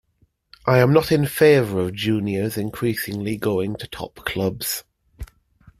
I am not in favour of juniors increasingly going to top clubs.